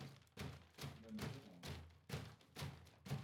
Cela me dérange.